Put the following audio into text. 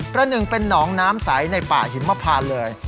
หนึ่งเป็นหนองน้ำใสในป่าหิมพานเลย